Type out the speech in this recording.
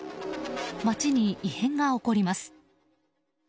町に異変が起こります。